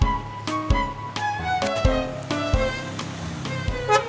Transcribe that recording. hati hati pak bos